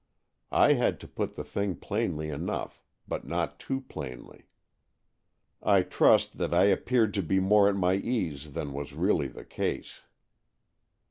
I had to put the thing plainly enough, but not too plainly. I trust that I appeared to be more at my ease than was really the case.